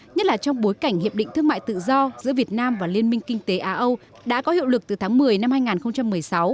nhất là trong bối cảnh hiệp định thương mại tự do giữa việt nam và liên minh kinh tế á âu đã có hiệu lực từ tháng một mươi năm hai nghìn một mươi sáu